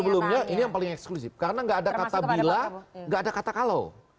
sebelumnya ini yang paling eksklusif karena nggak ada kata bila gak ada kata kalau